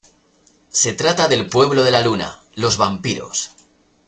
Se trata del pueblo de la luna, los vampiros.